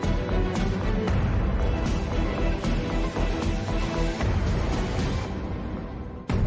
มีความรู้สึกว่ามีความรู้สึกว่า